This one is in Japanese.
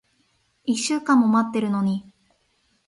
一週間も待ってるのに。